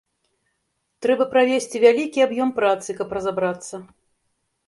Трэба правесці вялікі аб'ём працы, каб разабрацца.